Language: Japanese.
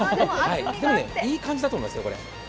でもいい感じだと思いますよ。